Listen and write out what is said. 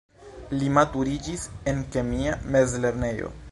Li maturiĝis en kemia mezlernejo.